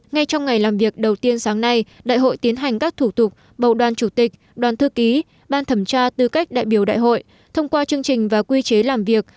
ngay trong ngày làm việc đầu tiên sáng nay đại hội tiến hành các thủ tục bầu đoàn chủ tịch đoàn thư ký ban thẩm tra tư cách đại biểu đại hội thông qua chương trình và quy chế làm việc